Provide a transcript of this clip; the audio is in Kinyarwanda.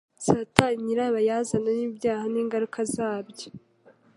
Satani nyirabayazana w'ibyaha n'ingaruka zabyo,